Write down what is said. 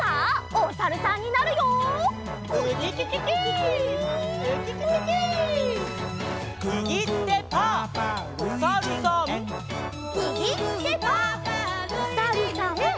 おさるさん。